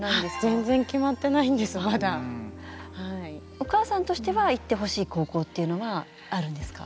お母さんとしては行ってほしい高校というのはあるんですか？